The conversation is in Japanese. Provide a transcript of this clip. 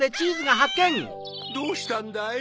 どうしたんだい？